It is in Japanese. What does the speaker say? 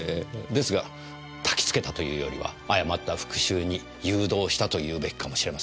ですがたきつけたというよりは誤った復讐に誘導したと言うべきかもしれません。